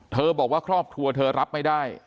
บอกว่าครอบครัวเธอรับไม่ได้